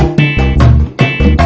udah seng inget